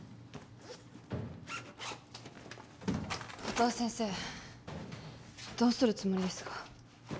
音羽先生どうするつもりですか？